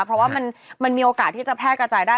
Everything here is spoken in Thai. เพราะว่ามันมีโอกาสที่จะแพร่กระจายได้